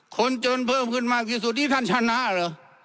คนจนเพิ่มขึ้นมากที่สุดนี่ท่านชนะเหรอ